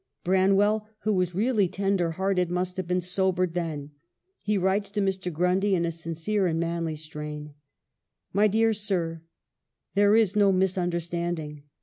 Branwell, who was really tender hearted, must have been sobered then. He writes to Mr. Grundy in a sincere and manly strain :" My dear Sir, " There is no misunderstanding.